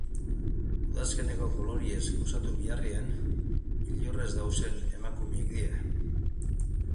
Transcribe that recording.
Udazkeneko koloreez gozatu beharrean, beldurrez dauden emakumeak dira.